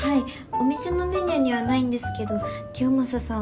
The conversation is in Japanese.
お店のメニューにはないんですけど清正さん